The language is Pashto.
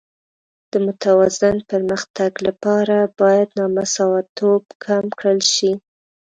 د متوازن پرمختګ لپاره باید نامساواتوب کم کړل شي.